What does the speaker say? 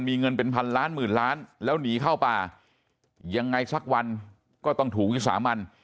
มีเงินเป็นพันล้านหมื่นล้านแล้วหนีเข้าป่ายังไงสักวันก็ต้องถูกวิสามัน